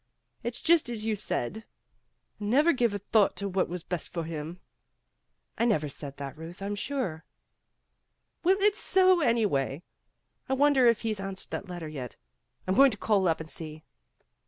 It's just as you said. I never gave a thought to what was best for him." "I never said that, Kuth, I'm sure." "Well, it's so, anyway. I wonder if he's an swered that letter yet. I'm going to call up and see."